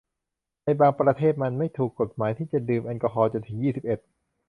ในบางประเทศมันไม่ถูกกฎหมายที่จะดื่มแอลกอฮอล์จนถึงยี่สิบเอ็ด